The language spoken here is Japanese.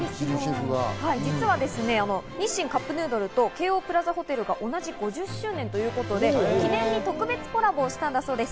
実は日清カップヌードルと、京王プラザホテルが同じ５０周年ということで記念に特別コラボしたんだそうです。